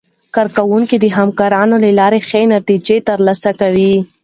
کارکوونکي د همکارۍ له لارې ښه نتیجه ترلاسه کوي